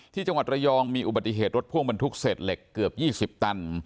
ที่จังหวัดระยองมีอุบัติเหตุรถพ่วงบรรทุกเศษเหล็กเกือบ๒๐ตัน